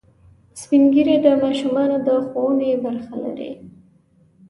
سپین ږیری د ماشومانو د ښوونې برخه لري